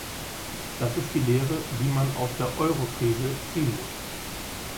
Das ist die Lehre, die man aus der Eurokrise ziehen muss.